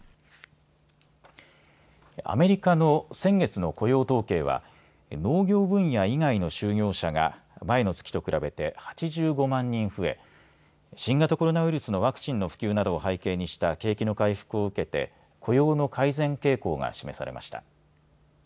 アメリカの先月の雇用統計は農業分野以外の就業者が前の月と比べて８５万人増え新型コロナウイルスのワクチンの普及などを背景にした景気の回復を受けて雇用の改善傾向が示されました。